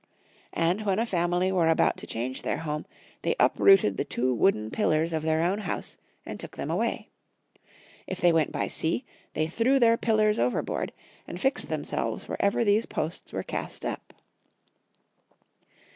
And when a family were about to change their home, they uprooted the two wooden pillars of their own house and took them away. If they went by sea, they threw their pillars overboard, and fixed themselves wherever these posts were cast up.